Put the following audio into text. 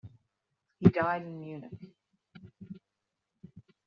He died in Munich.